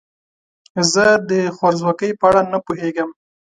زه د خوارځواکۍ په اړه نه پوهیږم.